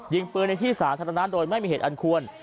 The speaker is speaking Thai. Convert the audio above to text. ยิงปืนในที่สาธารณะโดยไม่มีเหตุอันควร